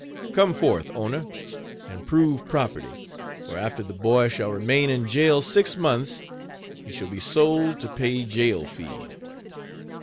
Come forth owner, and prove property, for after the boy shall remain in jail six months he shall be sold to pay jail feed.